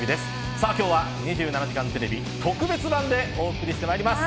さあ、今日は２７時間テレビ特別版でお送りしてまいります。